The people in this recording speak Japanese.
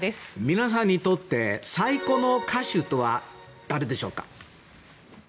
皆さんにとって最高の歌手とは誰でしょうか。